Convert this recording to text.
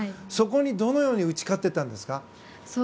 そこに、どのように打ち勝てたんですか？